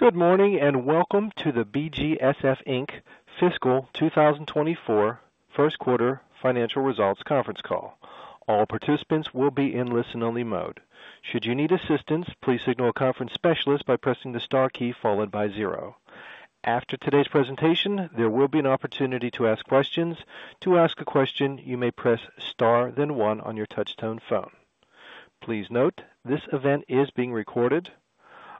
Good morning and welcome to the BGSF, Inc. Fiscal 2024 First Quarter Financial Results Conference Call. All participants will be in listen-only mode. Should you need assistance, please signal a conference specialist by pressing the star key followed by zero. After today's presentation, there will be an opportunity to ask questions. To ask a question, you may press star, then one on your touch-tone phone. Please note, this event is being recorded.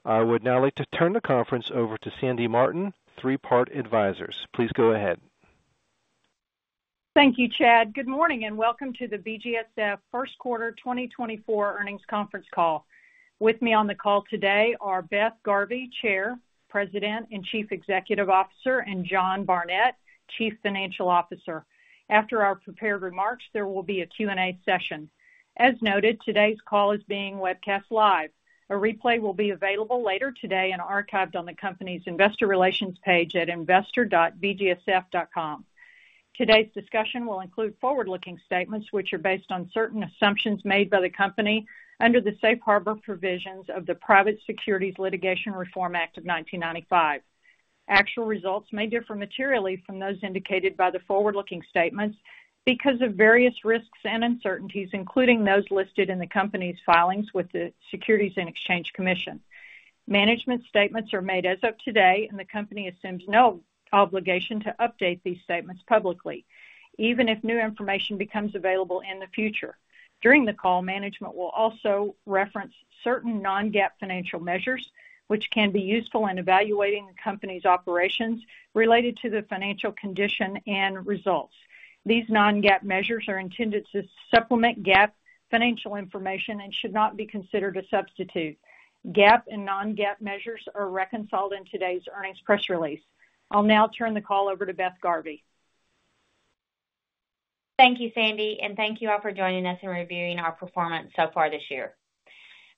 I would now like to turn the conference over to Sandy Martin, Three Part Advisors. Please go ahead. Thank you, Chad. Good morning and welcome to the BGSF First Quarter 2024 Earnings Conference Call. With me on the call today are Beth Garvey, Chair, President, and Chief Executive Officer, and John Barnett, Chief Financial Officer. After our prepared remarks, there will be a Q&A session. As noted, today's call is being webcast live. A replay will be available later today and archived on the company's investor relations page at investor.bgsf.com. Today's discussion will include forward-looking statements which are based on certain assumptions made by the company under the Safe Harbor provisions of the Private Securities Litigation Reform Act of 1995. Actual results may differ materially from those indicated by the forward-looking statements because of various risks and uncertainties, including those listed in the company's filings with the Securities and Exchange Commission. Management statements are made as of today, and the company assumes no obligation to update these statements publicly, even if new information becomes available in the future. During the call, management will also reference certain non-GAAP financial measures, which can be useful in evaluating the company's operations related to the financial condition and results. These non-GAAP measures are intended to supplement GAAP financial information and should not be considered a substitute. GAAP and non-GAAP measures are reconciled in today's earnings press release. I'll now turn the call over to Beth Garvey. Thank you, Sandy, and thank you all for joining us and reviewing our performance so far this year.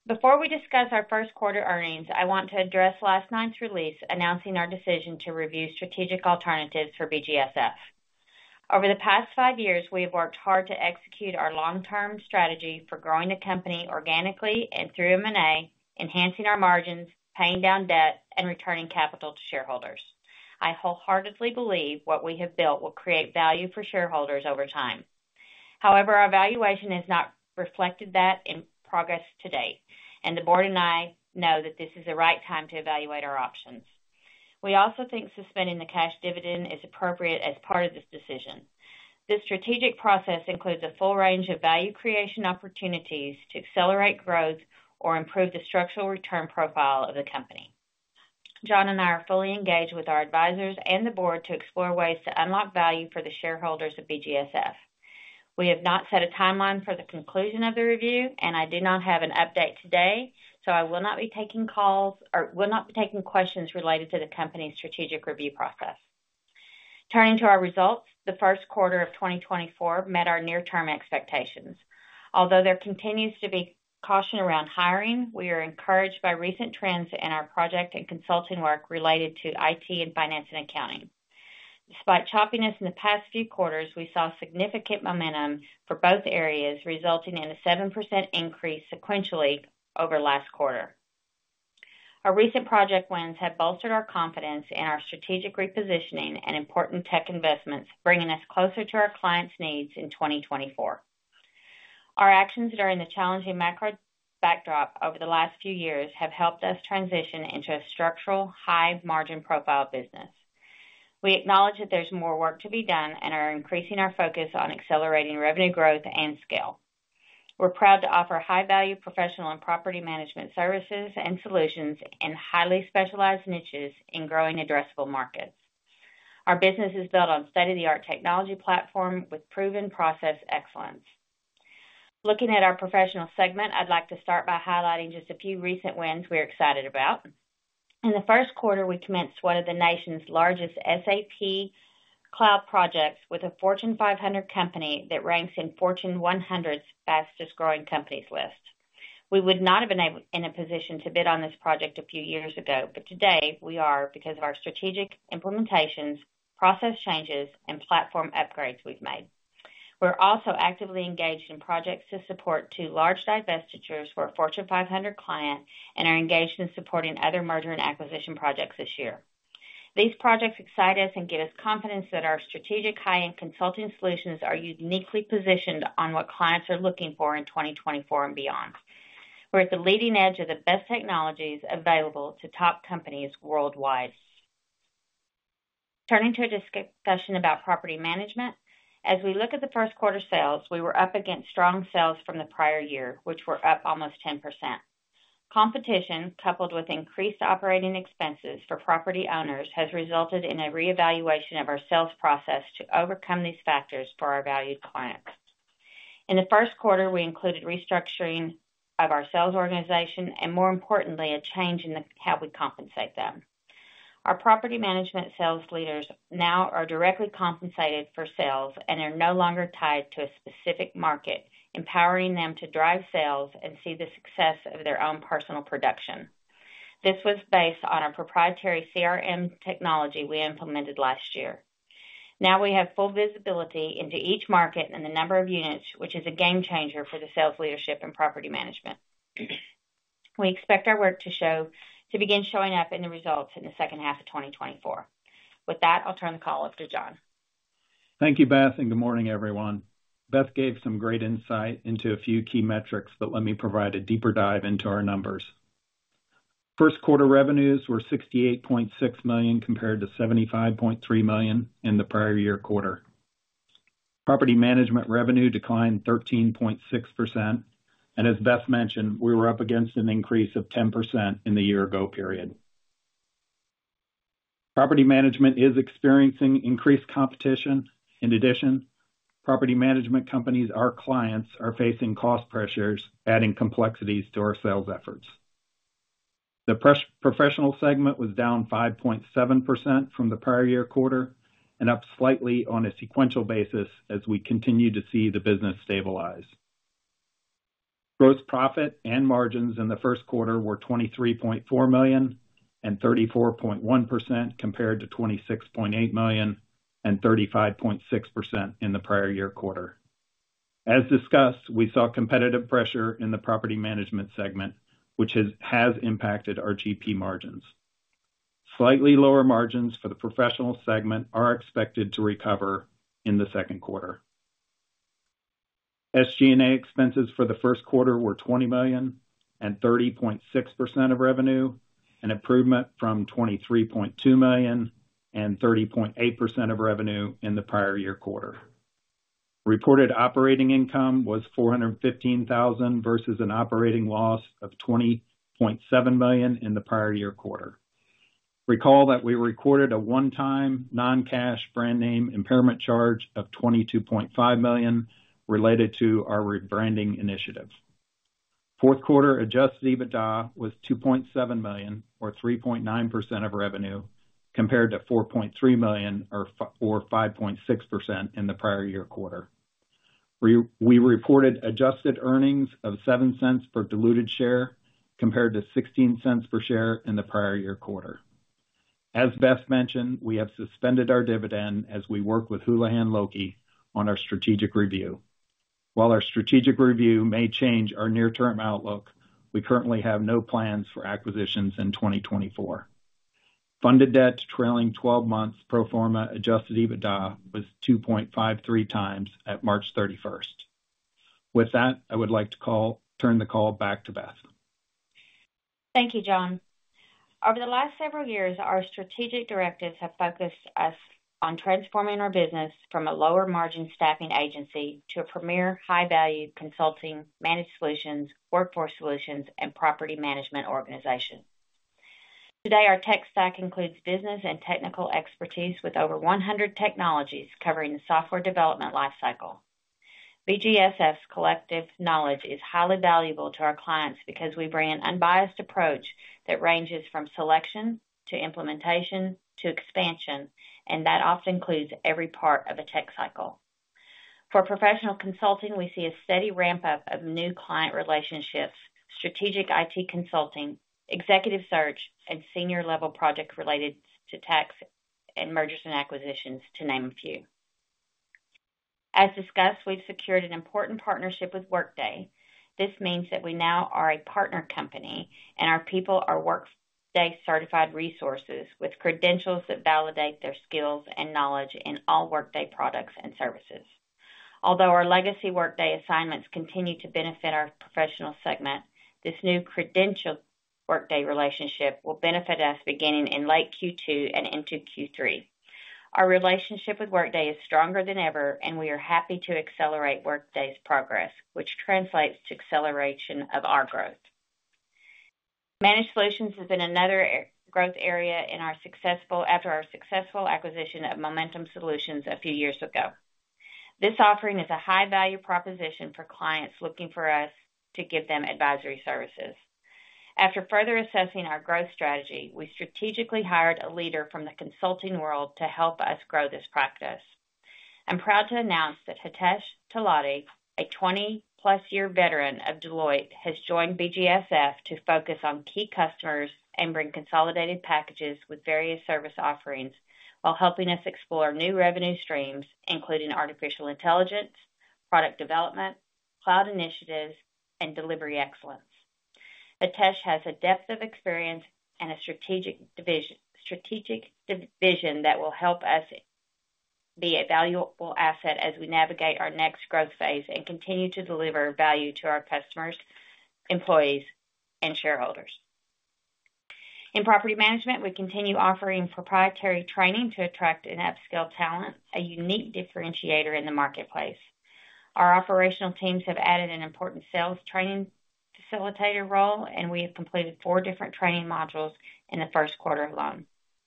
Before we discuss our first quarter earnings, I want to address last night's release announcing our decision to review strategic alternatives for BGSF. Over the past five years, we have worked hard to execute our long-term strategy for growing the company organically and through M&A, enhancing our margins, paying down debt, and returning capital to shareholders. I wholeheartedly believe what we have built will create value for shareholders over time. However, our valuation has not reflected that in progress to date, and the board and I know that this is the right time to evaluate our options. We also think suspending the cash dividend is appropriate as part of this decision. This strategic process includes a full range of value creation opportunities to accelerate growth or improve the structural return profile of the company. John and I are fully engaged with our advisors and the board to explore ways to unlock value for the shareholders of BGSF. We have not set a timeline for the conclusion of the review, and I do not have an update today, so I will not be taking calls or will not be taking questions related to the company's strategic review process. Turning to our results, the first quarter of 2024 met our near-term expectations. Although there continues to be caution around hiring, we are encouraged by recent trends in our project and consulting work related to IT and finance and accounting. Despite choppiness in the past few quarters, we saw significant momentum for both areas, resulting in a 7% increase sequentially over last quarter. Our recent project wins have bolstered our confidence in our strategic repositioning and important tech investments, bringing us closer to our clients' needs in 2024. Our actions during the challenging macro backdrop over the last few years have helped us transition into a structural, high-margin profile business. We acknowledge that there's more work to be done and are increasing our focus on accelerating revenue growth and scale. We're proud to offer high-value professional and property management services and solutions in highly specialized niches in growing addressable markets. Our business is built on a state-of-the-art technology platform with proven process excellence. Looking at our professional segment, I'd like to start by highlighting just a few recent wins we're excited about. In the first quarter, we commenced one of the nation's largest SAP cloud projects with a Fortune 500 company that ranks in Fortune 100 fastest-growing companies list. We would not have been in a position to bid on this project a few years ago, but today we are because of our strategic implementations, process changes, and platform upgrades we've made. We're also actively engaged in projects to support two large divestitures for a Fortune 500 client and are engaged in supporting other merger and acquisition projects this year. These projects excite us and give us confidence that our strategic, high-end consulting solutions are uniquely positioned on what clients are looking for in 2024 and beyond. We're at the leading edge of the best technologies available to top companies worldwide. Turning to a discussion about property management, as we look at the first quarter sales, we were up against strong sales from the prior year, which were up almost 10%. Competition, coupled with increased operating expenses for property owners, has resulted in a reevaluation of our sales process to overcome these factors for our valued clients. In the first quarter, we included restructuring of our sales organization and, more importantly, a change in how we compensate them. Our property management sales leaders now are directly compensated for sales and are no longer tied to a specific market, empowering them to drive sales and see the success of their own personal production. This was based on a proprietary CRM technology we implemented last year. Now we have full visibility into each market and the number of units, which is a game changer for the sales leadership and property management. We expect our work to begin showing up in the results in the second half of 2024. With that, I'll turn the call over to John. Thank you, Beth, and good morning, everyone. Beth gave some great insight into a few key metrics, but let me provide a deeper dive into our numbers. First quarter revenues were $68.6 million compared to $75.3 million in the prior year quarter. Property management revenue declined 13.6%, and as Beth mentioned, we were up against an increase of 10% in the year-ago period. Property management is experiencing increased competition. In addition, property management companies, our clients, are facing cost pressures, adding complexities to our sales efforts. The professional segment was down 5.7% from the prior year quarter and up slightly on a sequential basis as we continue to see the business stabilize. Gross profit and margins in the first quarter were $23.4 million and 34.1% compared to $26.8 million and 35.6% in the prior year quarter. As discussed, we saw competitive pressure in the property management segment, which has impacted our GP margins. Slightly lower margins for the professional segment are expected to recover in the second quarter. SG&A expenses for the first quarter were $20 million and 30.6% of revenue, an improvement from $23.2 million and 30.8% of revenue in the prior year quarter. Reported operating income was $415,000 versus an operating loss of $20.7 million in the prior year quarter. Recall that we recorded a one-time non-cash brand name impairment charge of $22.5 million related to our rebranding initiative. Fourth quarter adjusted EBITDA was $2.7 million or 3.9% of revenue compared to $4.3 million or 5.6% in the prior year quarter. We reported adjusted earnings of $0.07 per diluted share compared to $0.16 per share in the prior year quarter. As Beth mentioned, we have suspended our dividend as we work with Houlihan Lokey on our strategic review. While our strategic review may change our near-term outlook, we currently have no plans for acquisitions in 2024. Funded debt trailing 12 months pro forma adjusted EBITDA was 2.53x at March 31st. With that, I would like to turn the call back to Beth. Thank you, John. Over the last several years, our strategic directives have focused us on transforming our business from a lower-margin staffing agency to a premier high-value consulting, managed solutions, workforce solutions, and property management organization. Today, our tech stack includes business and technical expertise with over 100 technologies covering the software development lifecycle. BGSF's collective knowledge is highly valuable to our clients because we bring an unbiased approach that ranges from selection to implementation to expansion, and that often includes every part of a tech cycle. For professional consulting, we see a steady ramp-up of new client relationships, strategic IT consulting, executive search, and senior-level project-related tax and mergers and acquisitions, to name a few. As discussed, we've secured an important partnership with Workday. This means that we now are a partner company, and our people are Workday-certified resources with credentials that validate their skills and knowledge in all Workday products and services. Although our legacy Workday assignments continue to benefit our professional segment, this new credentialed Workday relationship will benefit us beginning in late Q2 and into Q3. Our relationship with Workday is stronger than ever, and we are happy to accelerate Workday's progress, which translates to acceleration of our growth. Managed solutions has been another growth area after our successful acquisition of Momentum Solutionz a few years ago. This offering is a high-value proposition for clients looking for us to give them advisory services. After further assessing our growth strategy, we strategically hired a leader from the consulting world to help us grow this practice. I'm proud to announce that Hitesh Talati, a 20+-year veteran of Deloitte, has joined BGSF to focus on key customers and bring consolidated packages with various service offerings while helping us explore new revenue streams, including artificial intelligence, product development, cloud initiatives, and delivery excellence. Hitesh has a depth of experience and a strategic vision that will help us be a valuable asset as we navigate our next growth phase and continue to deliver value to our customers, employees, and shareholders. In property management, we continue offering proprietary training to attract and upskill talent, a unique differentiator in the marketplace. Our operational teams have added an important sales training facilitator role, and we have completed four different training modules in the first quarter alone.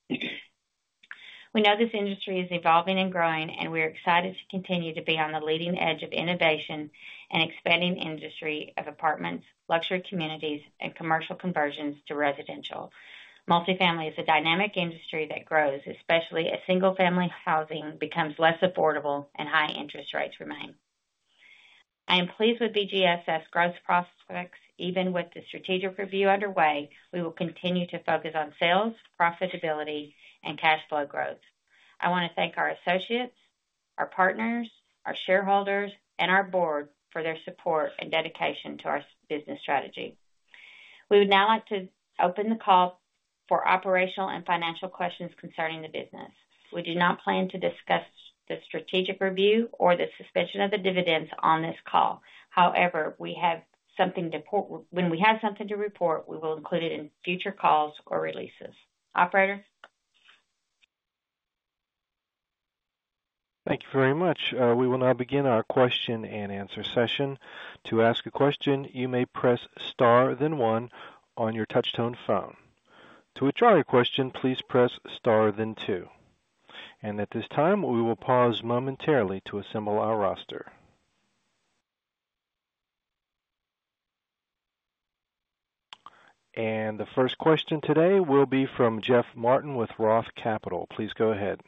We know this industry is evolving and growing, and we are excited to continue to be on the leading edge of innovation and expanding the industry of apartments, luxury communities, and commercial conversions to residential. Multifamily is a dynamic industry that grows, especially as single-family housing becomes less affordable and high interest rates remain. I am pleased with BGSF's growth prospects. Even with the strategic review underway, we will continue to focus on sales, profitability, and cash flow growth. I want to thank our associates, our partners, our shareholders, and our board for their support and dedication to our business strategy. We would now like to open the call for operational and financial questions concerning the business. We do not plan to discuss the strategic review or the suspension of the dividends on this call. However, when we have something to report, we will include it in future calls or releases. Operator? Thank you very much. We will now begin our question and answer session. To ask a question, you may press star then one on your touch-tone phone. To withdraw your question, please press star then two. At this time, we will pause momentarily to assemble our roster. The first question today will be from Jeff Martin with Roth Capital. Please go ahead.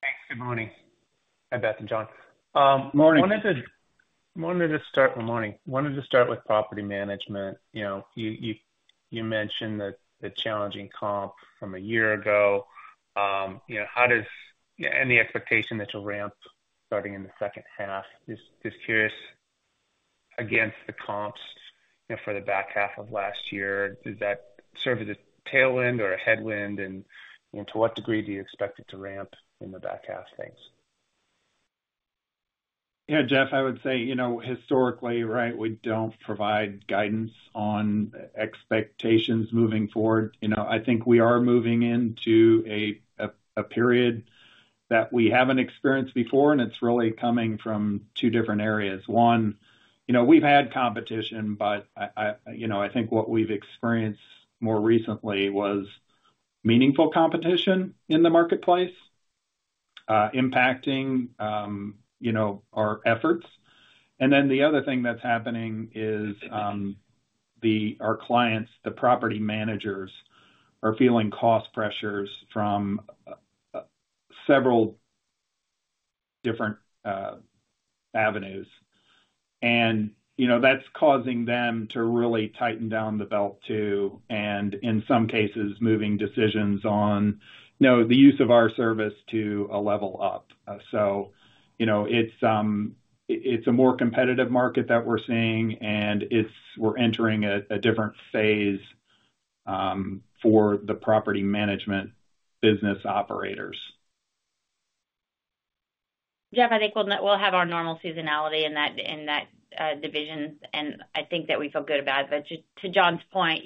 Thanks. Good morning, Beth and John. Morning. Wanted to start with morning. Wanted to start with property management. You mentioned the challenging comp from a year ago. How does and the expectation that you'll ramp starting in the second half? Just curious, against the comps for the back half of last year, does that serve as a tailwind or a headwind, and to what degree do you expect it to ramp in the back half of things? Yeah, Jeff, I would say historically, right, we don't provide guidance on expectations moving forward. I think we are moving into a period that we haven't experienced before, and it's really coming from two different areas. One, we've had competition, but I think what we've experienced more recently was meaningful competition in the marketplace impacting our efforts. And then the other thing that's happening is our clients, the property managers, are feeling cost pressures from several different avenues. And that's causing them to really tighten down the belt too, and in some cases, moving decisions on the use of our service to a level up. So it's a more competitive market that we're seeing, and we're entering a different phase for the property management business operators. Jeff, I think we'll have our normal seasonality in that division, and I think that we feel good about it. But to John's point,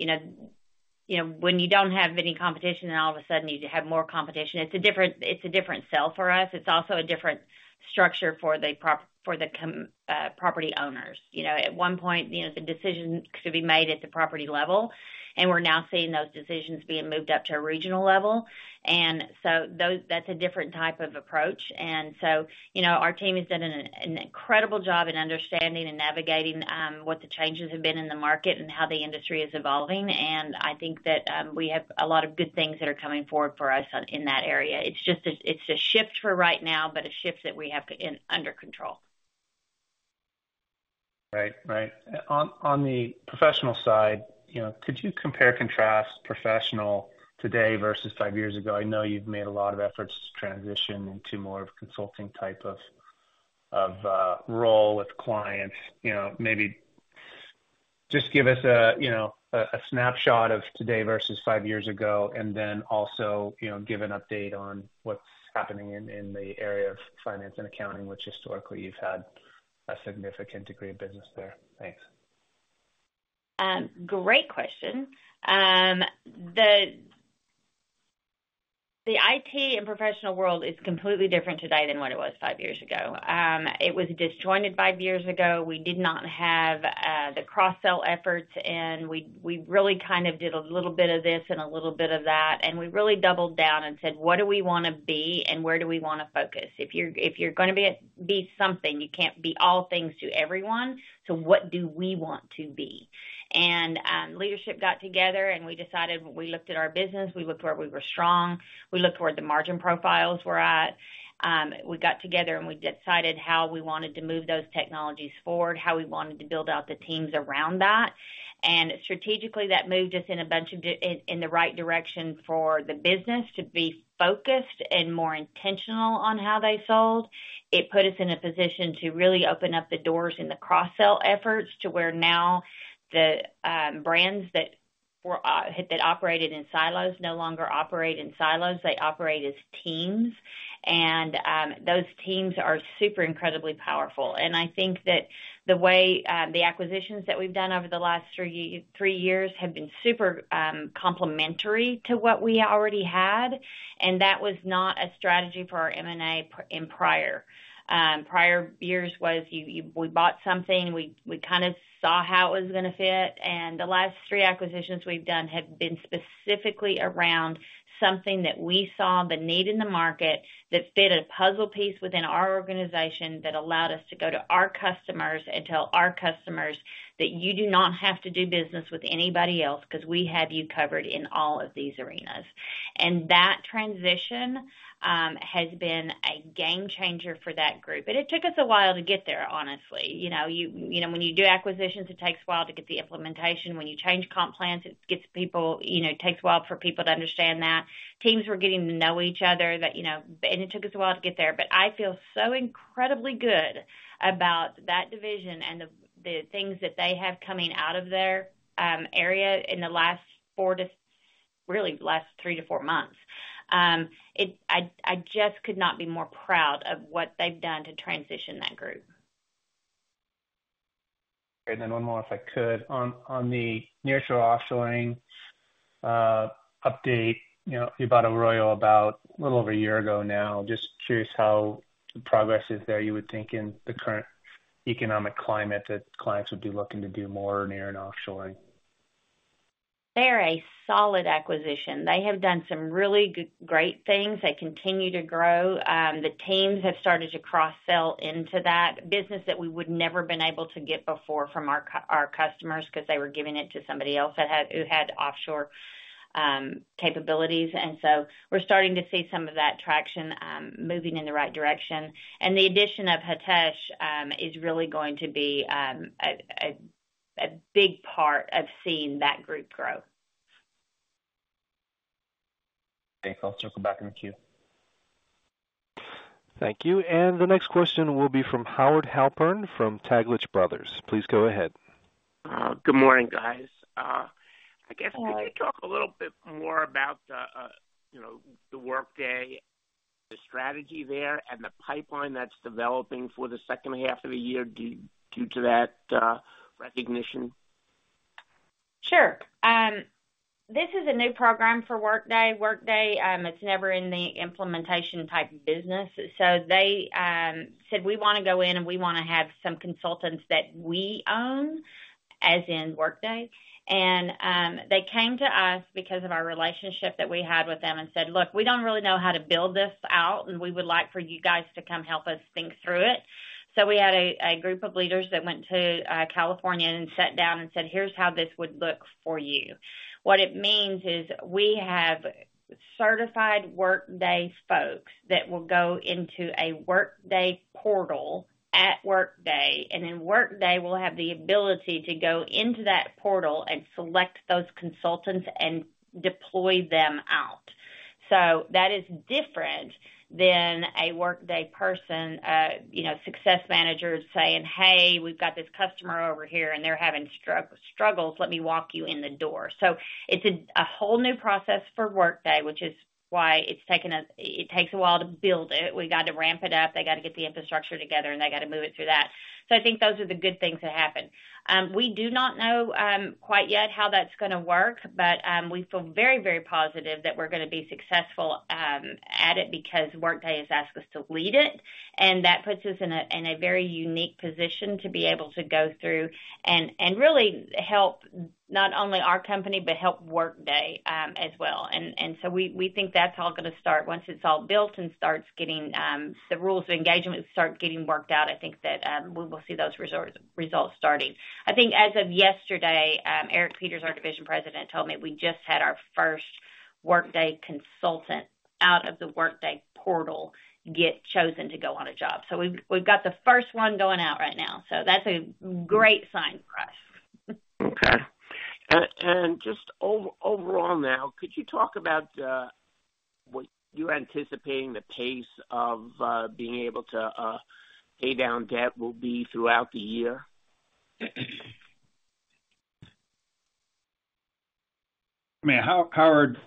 when you don't have any competition and all of a sudden you have more competition, it's a different sell for us. It's also a different structure for the property owners. At one point, the decisions could be made at the property level, and we're now seeing those decisions being moved up to a regional level. And so that's a different type of approach. And so our team has done an incredible job in understanding and navigating what the changes have been in the market and how the industry is evolving. And I think that we have a lot of good things that are coming forward for us in that area. It's a shift for right now, but a shift that we have under control. Right. Right. On the professional side, could you compare contrast professional today versus five years ago? I know you've made a lot of efforts to transition into more of a consulting type of role with clients. Maybe just give us a snapshot of today versus five years ago, and then also give an update on what's happening in the area of finance and accounting, which historically you've had a significant degree of business there. Thanks. Great question. The IT and professional world is completely different today than what it was five years ago. It was disjointed five years ago. We did not have the cross-sell efforts, and we really kind of did a little bit of this and a little bit of that. We really doubled down and said, "What do we want to be, and where do we want to focus?" If you're going to be something, you can't be all things to everyone. So what do we want to be? Leadership got together, and we decided we looked at our business. We looked where we were strong. We looked where the margin profiles were at. We got together, and we decided how we wanted to move those technologies forward, how we wanted to build out the teams around that. Strategically, that moved us in a bunch of in the right direction for the business to be focused and more intentional on how they sold. It put us in a position to really open up the doors in the cross-sell efforts to where now the brands that operated in silos no longer operate in silos. They operate as teams. Those teams are super incredibly powerful. I think that the way the acquisitions that we've done over the last three years have been super complementary to what we already had. That was not a strategy for our M&A in prior years. Prior years was we bought something. We kind of saw how it was going to fit. And the last three acquisitions we've done have been specifically around something that we saw the need in the market that fit a puzzle piece within our organization that allowed us to go to our customers and tell our customers that you do not have to do business with anybody else because we have you covered in all of these arenas. And that transition has been a game changer for that group. And it took us a while to get there, honestly. When you do acquisitions, it takes a while to get the implementation. When you change comp plans, it gets people it takes a while for people to understand that. Teams were getting to know each other, and it took us a while to get there. I feel so incredibly good about that division and the things that they have coming out of their area in the last four to really last three-four months. I just could not be more proud of what they've done to transition that group. And then one more, if I could. On the near-shore offshoring update, you bought Arroyo a little over a year ago now. Just curious how the progress is there, you would think in the current economic climate that clients would be looking to do more near and offshoring. They are a solid acquisition. They have done some really great things. They continue to grow. The teams have started to cross-sell into that business that we would never have been able to get before from our customers because they were giving it to somebody else who had offshore capabilities. And so we're starting to see some of that traction moving in the right direction. And the addition of Hitesh is really going to be a big part of seeing that group grow. Thanks. I'll circle back in the queue. Thank you. And the next question will be from Howard Halpern from Taglich Brothers. Please go ahead. Good morning, guys. I guess could you talk a little bit more about the Workday, the strategy there, and the pipeline that's developing for the second half of the year due to that recognition? Sure. This is a new program for Workday. Workday, it's never in the implementation type business. So they said, "We want to go in, and we want to have some consultants that we own," as in Workday. And they came to us because of our relationship that we had with them and said, "Look, we don't really know how to build this out, and we would like for you guys to come help us think through it." So we had a group of leaders that went to California and sat down and said, "Here's how this would look for you." What it means is we have certified Workday folks that will go into a Workday portal at Workday, and then Workday will have the ability to go into that portal and select those consultants and deploy them out. So that is different than a Workday person, a success manager, saying, "Hey, we've got this customer over here, and they're having struggles. Let me walk you in the door." So it's a whole new process for Workday, which is why it takes a while to build it. We got to ramp it up. They got to get the infrastructure together, and they got to move it through that. So I think those are the good things that happen. We do not know quite yet how that's going to work, but we feel very, very positive that we're going to be successful at it because Workday has asked us to lead it. And that puts us in a very unique position to be able to go through and really help not only our company but help Workday as well. And so we think that's all going to start. Once it's all built and starts getting the rules of engagement start getting worked out, I think that we will see those results starting. I think as of yesterday, Eric Peters, our Division President, told me we just had our first Workday consultant out of the Workday portal get chosen to go on a job. So we've got the first one going out right now. So that's a great sign for us. Okay. Just overall now, could you talk about what you're anticipating the pace of being able to pay down debt will be throughout the year? I mean, Howard,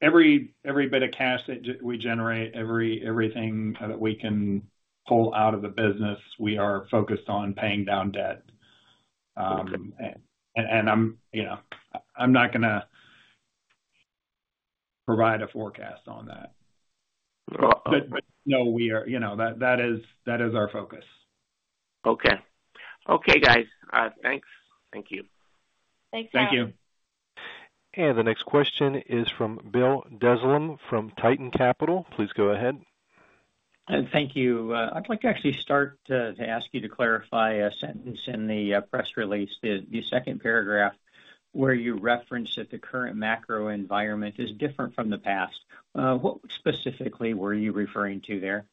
every bit of cash that we generate, everything that we can pull out of the business, we are focused on paying down debt. I'm not going to provide a forecast on that. But no, we are. That is our focus. Okay. Okay, guys. Thanks. Thank you. Thanks, Bye. Thank you. The next question is from Bill Dezellem from Tieton Capital. Please go ahead. Thank you. I'd like to actually start to ask you to clarify a sentence in the press release, the second paragraph where you reference that the current macro environment is different from the past. What specifically were you referring to there?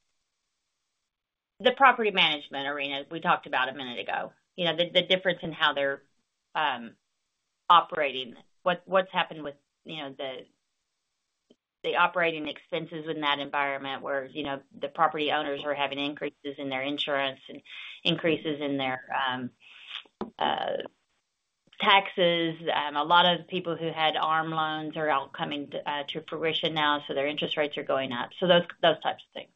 The property management arena we talked about a minute ago. The difference in how they're operating. What's happened with the operating expenses in that environment where the property owners are having increases in their insurance and increases in their taxes. A lot of people who had ARM loans are all coming to fruition now, so their interest rates are going up. So those types of things.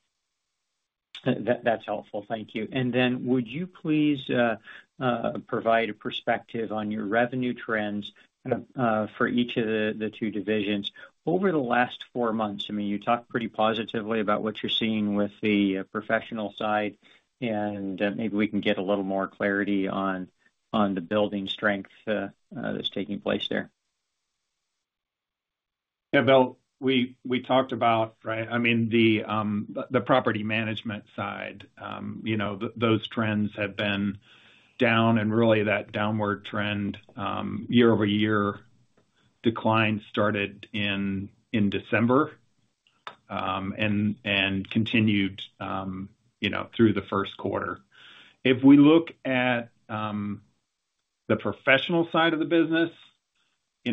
That's helpful. Thank you. And then would you please provide a perspective on your revenue trends for each of the two divisions over the last four months? I mean, you talked pretty positively about what you're seeing with the professional side, and maybe we can get a little more clarity on the building strength that's taking place there. Yeah, Bill, we talked about, right? I mean, the property management side, those trends have been down, and really that downward trend, year-over-year decline started in December and continued through the first quarter. If we look at the professional side of the business,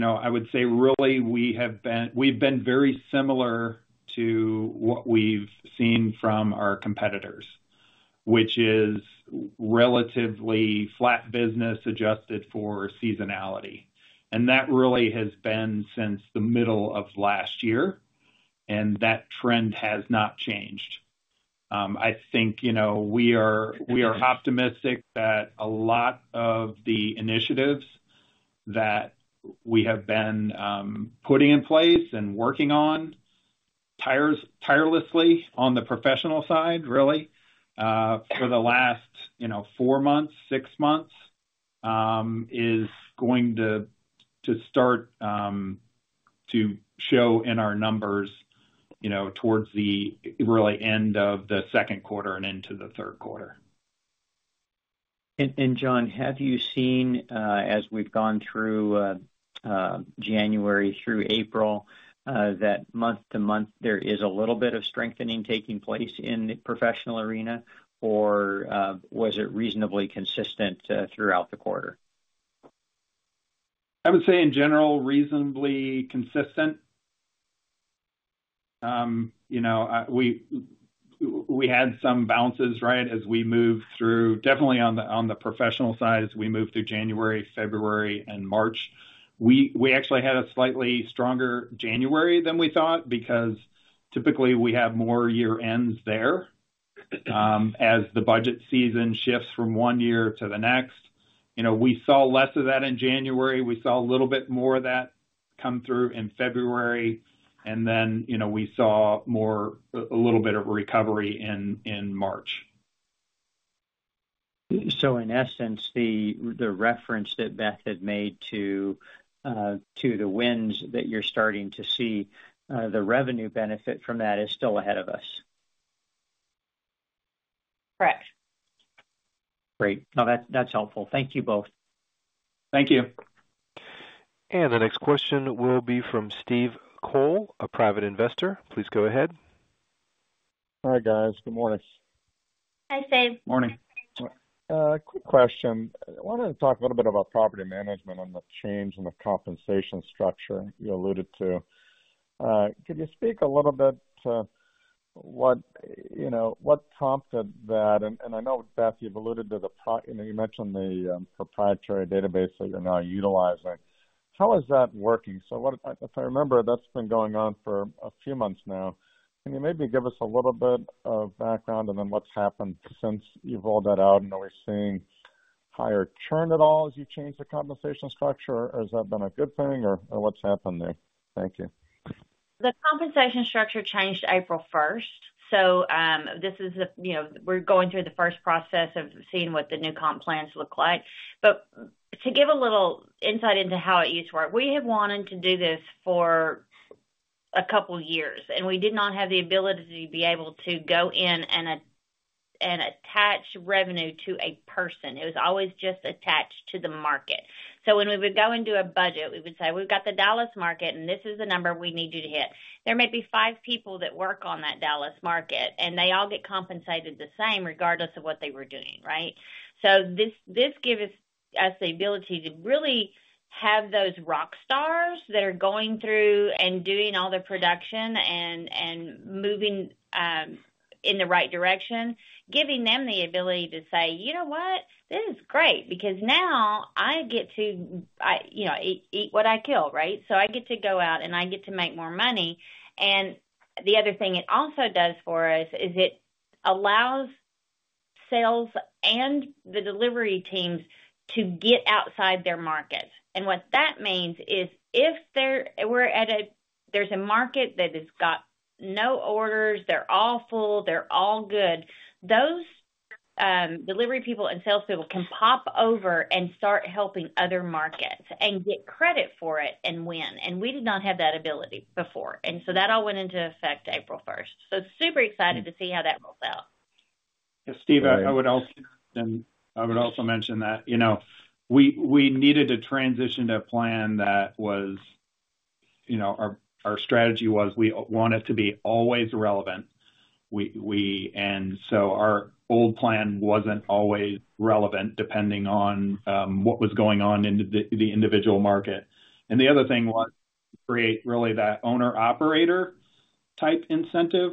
I would say really we've been very similar to what we've seen from our competitors, which is relatively flat business adjusted for seasonality. And that really has been since the middle of last year, and that trend has not changed. I think we are optimistic that a lot of the initiatives that we have been putting in place and working on tirelessly on the professional side, really, for the last four months, six months, is going to start to show in our numbers towards the really end of the second quarter and into the third quarter. John, have you seen, as we've gone through January through April, that month-to-month, there is a little bit of strengthening taking place in the professional arena, or was it reasonably consistent throughout the quarter? I would say, in general, reasonably consistent. We had some bounces, right, as we moved through definitely on the professional side, as we moved through January, February, and March. We actually had a slightly stronger January than we thought because typically, we have more year-ends there. As the budget season shifts from one year to the next, we saw less of that in January. We saw a little bit more of that come through in February. And then we saw a little bit of recovery in March. In essence, the reference that Beth had made to the wins that you're starting to see, the revenue benefit from that is still ahead of us? Correct. Great. No, that's helpful. Thank you both. Thank you. The next question will be from Steve Cole, a private investor. Please go ahead. Hi, guys. Good morning. Hi, Steve. Morning. Quick question. I wanted to talk a little bit about property management and the change in the compensation structure you alluded to. Could you speak a little bit to what prompted that? And I know, Beth, you've alluded to, you mentioned the proprietary database that you're now utilizing. How is that working? So if I remember, that's been going on for a few months now. Can you maybe give us a little bit of background and then what's happened since you've rolled that out? And are we seeing higher churn at all as you change the compensation structure, or has that been a good thing, or what's happened there? Thank you. The compensation structure changed April 1st. So this is we're going through the first process of seeing what the new comp plans look like. But to give a little insight into how it used to work, we have wanted to do this for a couple of years, and we did not have the ability to be able to go in and attach revenue to a person. It was always just attached to the market. So when we would go into a budget, we would say, "We've got the Dallas market, and this is the number we need you to hit." There may be five people that work on that Dallas market, and they all get compensated the same regardless of what they were doing, right? So this gives us the ability to really have those rock stars that are going through and doing all their production and moving in the right direction, giving them the ability to say, "You know what? This is great because now I get to eat what I kill," right? So I get to go out, and I get to make more money. And the other thing it also does for us is it allows sales and the delivery teams to get outside their markets. And what that means is if we're at a, there's a market that has got no orders. They're all full. They're all good. Those delivery people and salespeople can pop over and start helping other markets and get credit for it and win. And we did not have that ability before. And so that all went into effect April 1st. Super excited to see how that rolls out. Yeah, Steve, I would also mention that we needed to transition to a plan that our strategy was we wanted to be always relevant. And so our old plan wasn't always relevant depending on what was going on in the individual market. And the other thing was to create really that owner-operator type incentive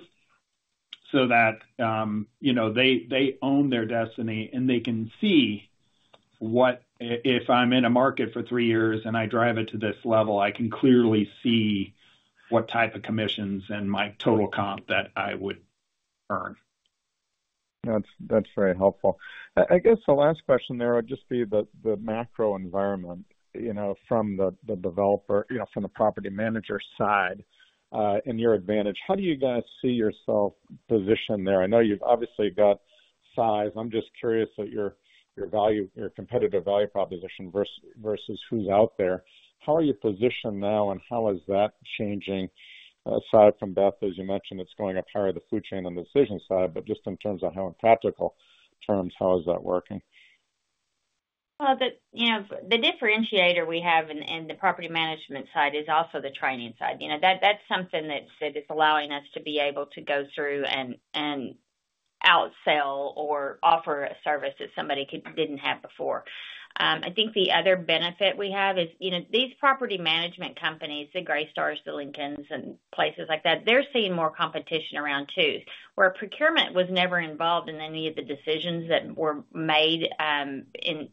so that they own their destiny, and they can see what if I'm in a market for three years and I drive it to this level, I can clearly see what type of commissions and my total comp that I would earn. That's very helpful. I guess the last question there would just be the macro environment from the developer from the property manager side in your advantage. How do you guys see yourself positioned there? I know you've obviously got size. I'm just curious at your competitive value proposition versus who's out there. How are you positioned now, and how is that changing? Aside from Beth, as you mentioned, it's going up higher the food chain and the decision side, but just in terms of how in practical terms, how is that working? The differentiator we have in the property management side is also the training side. That's something that's allowing us to be able to go through and outsell or offer a service that somebody didn't have before. I think the other benefit we have is these property management companies, the Greystar, the Lincoln, and places like that, they're seeing more competition around too, where procurement was never involved in any of the decisions that were made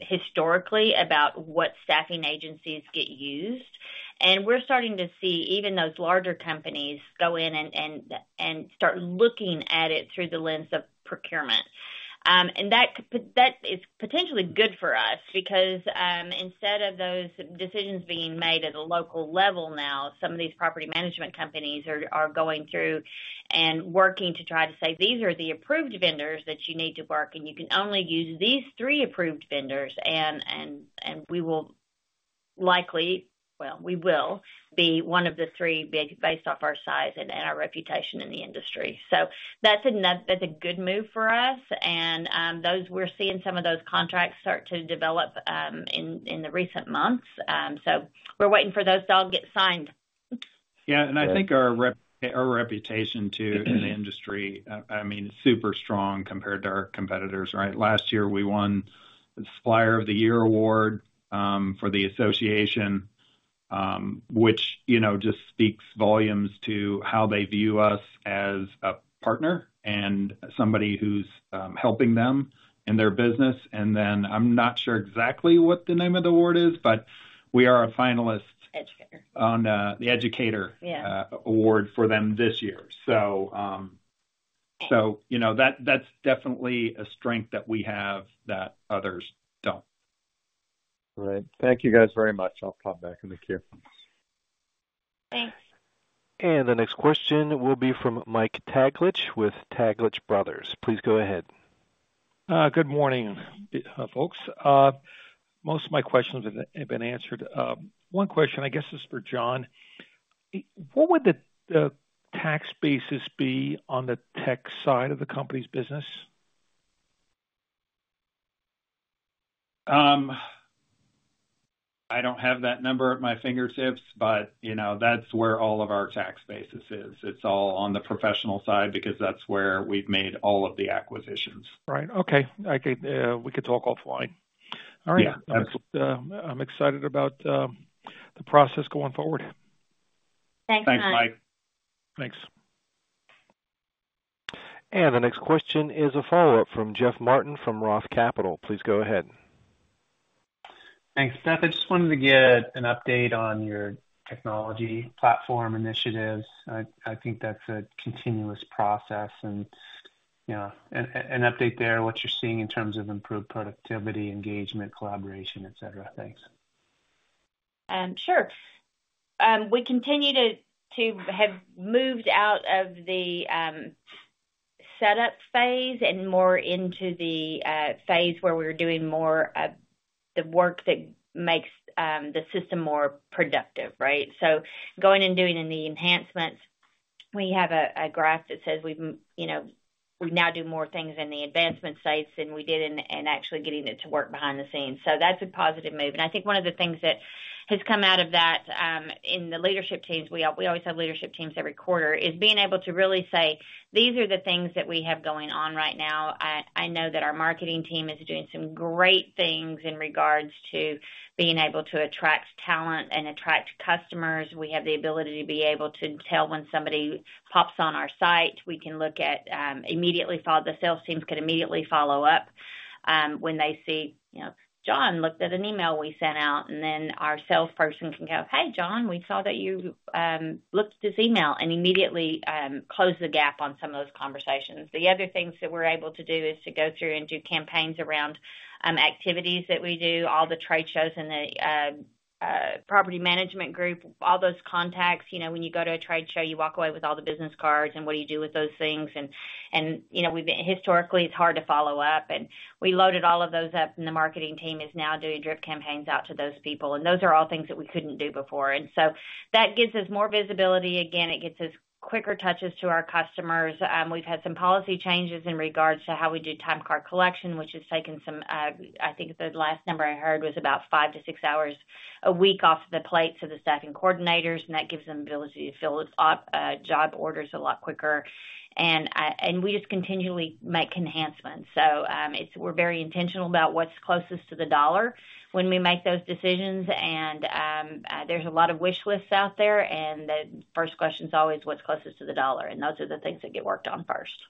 historically about what staffing agencies get used. And we're starting to see even those larger companies go in and start looking at it through the lens of procurement. And that is potentially good for us because instead of those decisions being made at a local level now, some of these property management companies are going through and working to try to say, "These are the approved vendors that you need to work, and you can only use these three approved vendors, and we will likely well, we will be one of the three based off our size and our reputation in the industry." So that's a good move for us. And we're seeing some of those contracts start to develop in the recent months. So we're waiting for those to all get signed. Yeah. And I think our reputation too in the industry, I mean, it's super strong compared to our competitors, right? Last year, we won the Supplier of the Year award for the association, which just speaks volumes to how they view us as a partner and somebody who's helping them in their business. And then I'm not sure exactly what the name of the award is, but we are a finalist on the Educator Award for them this year. So that's definitely a strength that we have that others don't. All right. Thank you guys very much. I'll pop back in the queue. Thanks. The next question will be from Mike Taglich with Taglich Brothers. Please go ahead. Good morning, folks. Most of my questions have been answered. One question, I guess, is for John. What would the tax basis be on the tech side of the company's business? I don't have that number at my fingertips, but that's where all of our tax basis is. It's all on the professional side because that's where we've made all of the acquisitions. Right. Okay. We could talk offline. All right. I'm excited about the process going forward. Thanks, John. Thanks, Mike. Thanks. The next question is a follow-up from Jeff Martin from Roth Capital. Please go ahead. Thanks, Beth. I just wanted to get an update on your technology platform initiatives. I think that's a continuous process and an update there, what you're seeing in terms of improved productivity, engagement, collaboration, etc. Thanks. Sure. We continue to have moved out of the setup phase and more into the phase where we're doing more of the work that makes the system more productive, right? So going and doing in the enhancements, we have a graph that says we now do more things in the advancement sites than we did in actually getting it to work behind the scenes. So that's a positive move. And I think one of the things that has come out of that in the leadership teams we always have leadership teams every quarter is being able to really say, "These are the things that we have going on right now." I know that our marketing team is doing some great things in regards to being able to attract talent and attract customers. We have the ability to be able to tell when somebody pops on our site. We can look at immediately follow the sales teams can immediately follow up when they see John looked at an email we sent out, and then our salesperson can go, "Hey, John, we saw that you looked at this email," and immediately close the gap on some of those conversations. The other things that we're able to do is to go through and do campaigns around activities that we do, all the trade shows in the property management group, all those contacts. When you go to a trade show, you walk away with all the business cards, and what do you do with those things? And historically, it's hard to follow up. And we loaded all of those up, and the marketing team is now doing drip campaigns out to those people. And those are all things that we couldn't do before. And so that gives us more visibility. Again, it gives us quicker touches to our customers. We've had some policy changes in regards to how we do time card collection, which has taken some I think the last number I heard was about five-six hours a week off the plates of the staffing coordinators, and that gives them the ability to fill job orders a lot quicker. And we just continually make enhancements. So we're very intentional about what's closest to the dollar when we make those decisions. And there's a lot of wishlists out there, and the first question's always, "What's closest to the dollar?" And those are the things that get worked on first.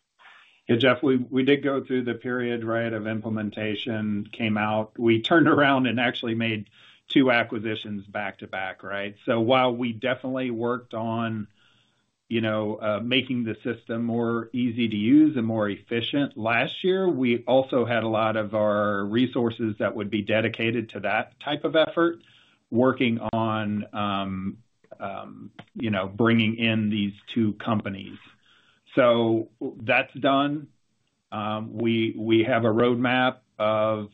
Yeah, Jeff, we did go through the period, right, of implementation came out. We turned around and actually made two acquisitions back to back, right? So while we definitely worked on making the system more easy to use and more efficient last year, we also had a lot of our resources that would be dedicated to that type of effort working on bringing in these two companies. So that's done. We have a roadmap of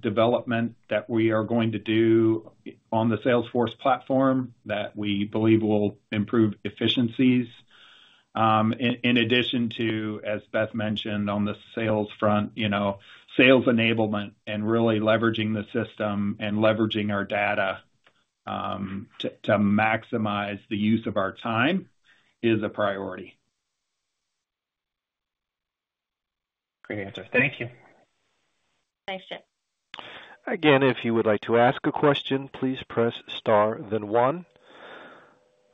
development that we are going to do on the Salesforce platform that we believe will improve efficiencies. In addition to, as Beth mentioned, on the sales front, sales enablement and really leveraging the system and leveraging our data to maximize the use of our time is a priority. Great answer. Thank you. Thanks, Jeff. Again, if you would like to ask a question, please press star, then one.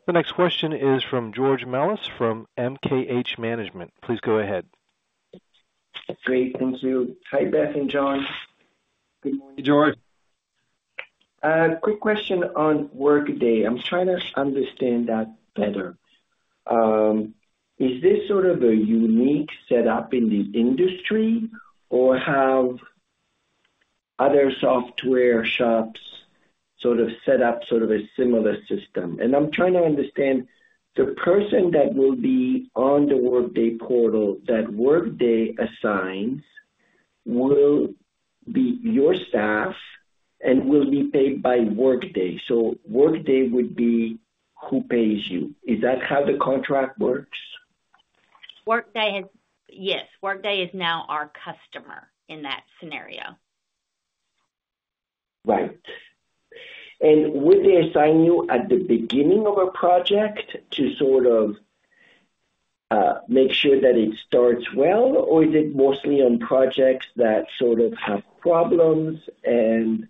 The next question is from George Melas from MKH Management. Please go ahead. Great. Thank you. Hi, Beth and John. Good morning. Hey, George. Quick question on Workday. I'm trying to understand that better. Is this sort of a unique setup in the industry, or have other software shops sort of set up sort of a similar system? I'm trying to understand the person that will be on the Workday portal, that Workday assigns, will be your staff and will be paid by Workday. Workday would be who pays you. Is that how the contract works? Yes. Workday is now our customer in that scenario. Right. And would they assign you at the beginning of a project to sort of make sure that it starts well, or is it mostly on projects that sort of have problems and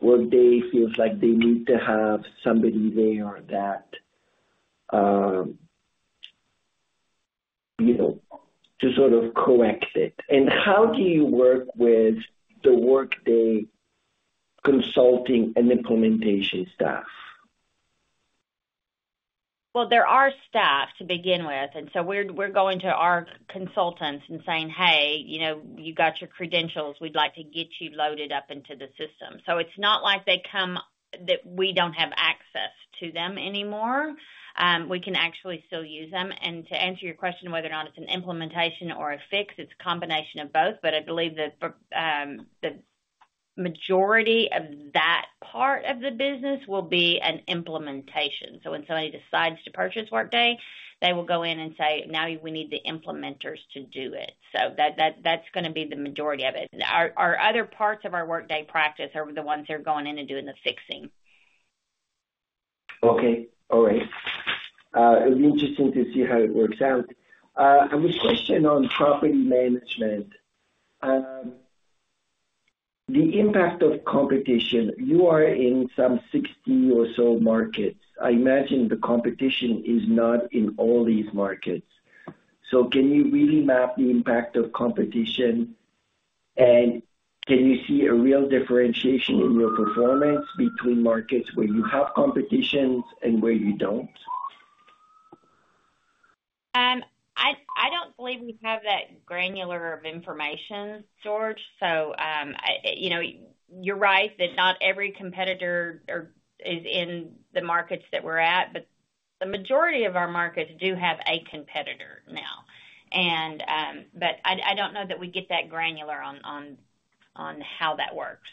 Workday feels like they need to have somebody there to sort of correct it? And how do you work with the Workday consulting and implementation staff? Well, there are staff to begin with. And so we're going to our consultants and saying, "Hey, you've got your credentials. We'd like to get you loaded up into the system." So it's not like they come that we don't have access to them anymore. We can actually still use them. And to answer your question whether or not it's an implementation or a fix, it's a combination of both. But I believe that the majority of that part of the business will be an implementation. So when somebody decides to purchase Workday, they will go in and say, "Now, we need the implementers to do it." So that's going to be the majority of it. Our other parts of our Workday practice are the ones that are going in and doing the fixing. Okay. All right. It'll be interesting to see how it works out. And with question on property management, the impact of competition, you are in some 60 or so markets. I imagine the competition is not in all these markets. So can you really map the impact of competition, and can you see a real differentiation in your performance between markets where you have competition and where you don't? I don't believe we have that granular of information, George. So you're right that not every competitor is in the markets that we're at, but the majority of our markets do have a competitor now. But I don't know that we get that granular on how that works.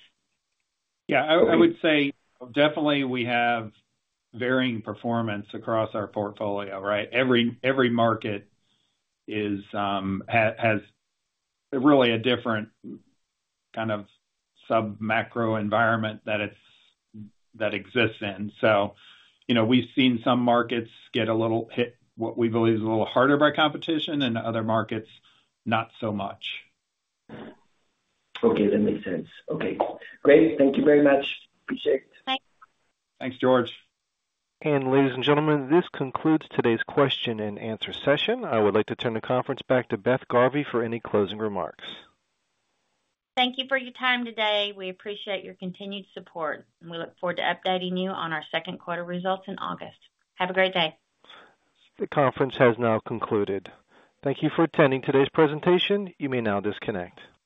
Yeah. I would say definitely we have varying performance across our portfolio, right? Every market has really a different kind of sub-macro environment that exists in. So we've seen some markets get a little hit what we believe is a little harder by competition and other markets, not so much. Okay. That makes sense. Okay. Great. Thank you very much. Appreciate it. Thanks. Thanks, George. Ladies and gentlemen, this concludes today's question and answer session. I would like to turn the conference back to Beth Garvey for any closing remarks. Thank you for your time today. We appreciate your continued support, and we look forward to updating you on our second quarter results in August. Have a great day. The conference has now concluded. Thank you for attending today's presentation. You may now disconnect.